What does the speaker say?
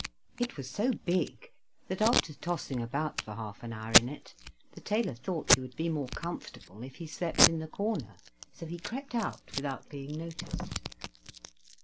It was so big that, after tossing about for half an hour in it, the tailor thought he would be more comfortable if he slept in the corner, so he crept out without being noticed.